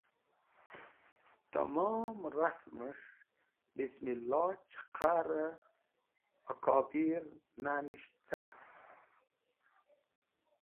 Tẽmom rasmẽs̃h bismilo cheqarẽ akobir nanisht carẽn.